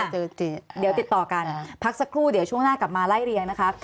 เดี๋ยวติดต่อกันพักสักครู่เดี๋ยวช่วงหน้ากลับมาไล่เรียงนะคะ